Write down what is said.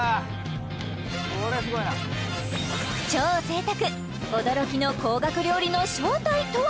これすごいな超贅沢驚きの高額料理の正体とは？